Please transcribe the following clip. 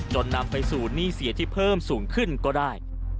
นำไปสู่หนี้เสียที่เพิ่มสูงขึ้นก็ได้